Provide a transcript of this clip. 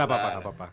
ya gak apa apa